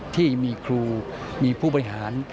ที่มีครูมีผู้บริหาร